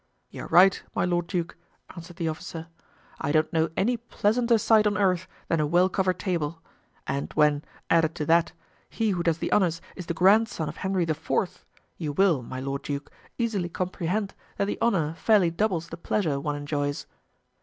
"You are right, my lord duke," answered the officer; "I don't know any pleasanter sight on earth than a well covered table; and when, added to that, he who does the honors is the grandson of Henry IV., you will, my lord duke, easily comprehend that the honor fairly doubles the pleasure one enjoys."